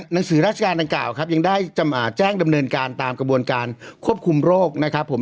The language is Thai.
หนังสือราชการดังกล่าวครับยังได้แจ้งดำเนินการตามกระบวนการควบคุมโรคนะครับผม